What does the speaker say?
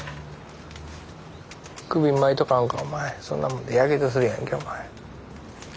首巻いとかんかお前そんなもんでやけどするやんけお前。